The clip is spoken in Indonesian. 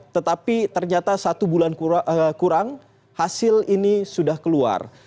tetapi ternyata satu bulan kurang hasil ini sudah keluar